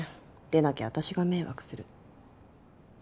でなきゃ私が迷惑する。